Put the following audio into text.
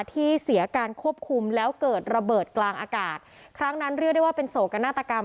ที่เสียการควบคุมแล้วเกิดระเบิดกลางอากาศครั้งนั้นเรียกได้ว่าเป็นโศกนาฏกรรม